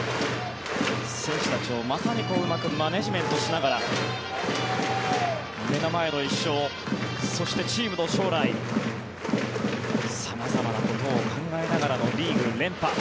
選手たちを、まさにうまくマネジメントしながら目の前の１勝そしてチームの将来様々なことを考えながらのリーグ連覇。